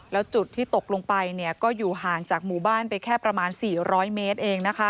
แล้วจุดที่ตกลงไปก็อยู่ห่างจากหมู่บ้านไปแค่ประมาณ๔๐๐เมตรเอง